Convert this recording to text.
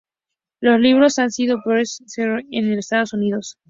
Los libros han sido best-seller en los Estados Unidos.